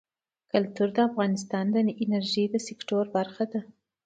کلتور د افغانستان د انرژۍ سکتور برخه ده.